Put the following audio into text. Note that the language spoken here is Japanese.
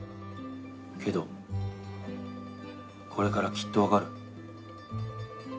けどこれからきっとわかる。